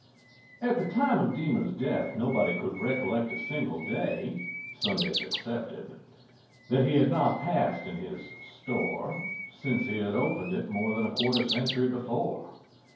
At the time of Deemer's death nobody could recollect a single day, Sundays excepted, that he had not passed in his "store," since he had opened it more than a quarter century before.